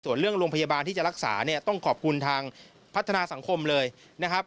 ส่วนเรื่องโรงพยาบาลที่จะรักษาเนี่ยต้องขอบคุณทางพัฒนาสังคมเลยนะครับ